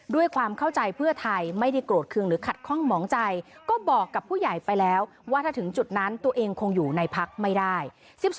ด้วยความเข้าใจเพื่อไทยไม่ได้โกรธเครื่องหรือขัดข้องหมองใจก็บอกกับผู้ใหญ่ไปแล้วว่าถ้าถึงจุดนั้นตัวเองคงอยู่ในพักไม่ได้